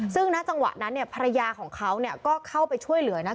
ซึ่งณจังหวะนั้นเนี่ยภรรยาของเขาก็เข้าไปช่วยเหลือนะ